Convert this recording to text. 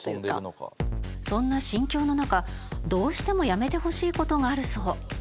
そんな心境の中どうしてもやめてほしい事があるそう。